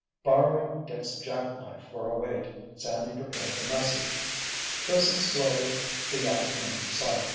Borrowing Dick's jackknife for a weight, Sandy prepared the message. Cruising slowly the yacht came into sight.